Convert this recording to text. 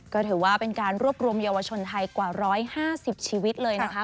ก็ถือว่าเป็นการรวบรวมเยาวชนไทยกว่า๑๕๐ชีวิตเลยนะคะ